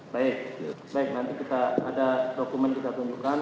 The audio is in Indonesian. baik baik nanti kita ada dokumen kita tunjukkan